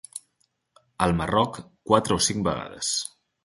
El Marroc, quatre o cinc vegades.